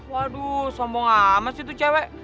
waduh sombong amat sih tuh cewek